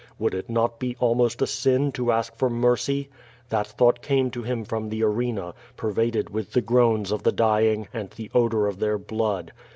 Would it not be almost a sin to ask for mercy? That thought came to him from the arena, pervaded with the groans of the dying and the odor of their blood.